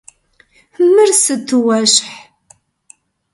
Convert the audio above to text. Мыр сыту уэщхь!